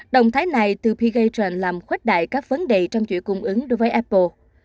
động thái này từ p gatron làm khoét đại các vấn đề trong giữa cung ứng đối với apple